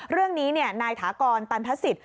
เรื่องนี้นายถากรตันทศิษย